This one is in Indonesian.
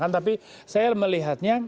tapi saya melihatnya